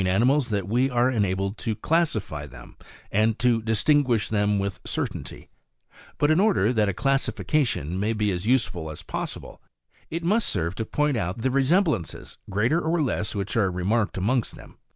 animals that we are enabled to classify them, and to distinguish them with certainty ; but in order that a classification may be as useful as possible, it must serve to point out the resemblances, greater or less, which are remarked amongst them.